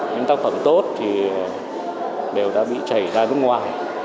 những tác phẩm tốt thì đều đã bị chảy ra nước ngoài